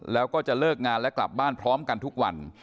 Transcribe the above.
แล้วก็จะเลิกงานและกลับบ้านพร้อมกันทุกวัน